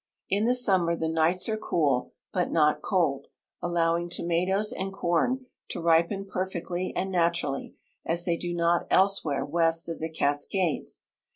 In the summer the nights are cool, but not cold, allow ing tomatoes and corn to ripen ]>erfectly and naturally, as they do not elsewhere west of the Cascades.